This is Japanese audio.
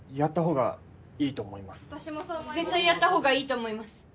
絶対やったほうがいいと思います。